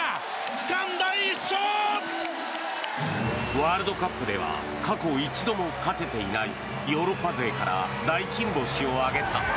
ワールドカップでは過去一度も勝てていないヨーロッパ勢から大金星を挙げた。